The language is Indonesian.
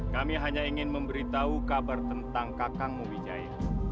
kami hanya ingin memberi tahu kabar tentang kakakmu wijaya